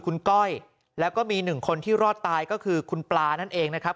คุณก้อยแล้วก็มีหนึ่งคนที่รอดตายก็คือคุณปลานั่นเองนะครับ